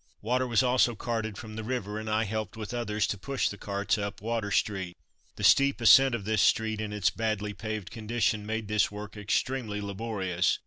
Water was also carted from the river, and I helped with others to push the carts up Water street. The steep ascent of this street in its badly paved condition made this work extremely laborious.